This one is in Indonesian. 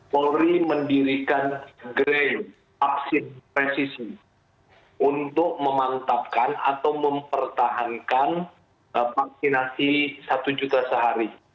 polri mendirikan grail upsi presisi untuk memantapkan atau mempertahankan vaksinasi satu juta sehari